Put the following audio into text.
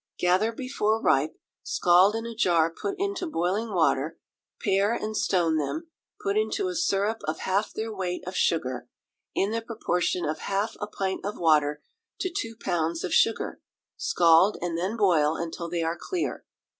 Gather before ripe, scald in a jar put into boiling water, pare and stone them; put into a syrup of half their weight of sugar, in the proportion of half a pint of water to two pounds of sugar; scald, and then boil until they are clear.